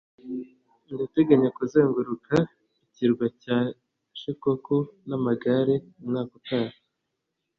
ndateganya kuzenguruka ikirwa cya shikoku n'amagare umwaka utaha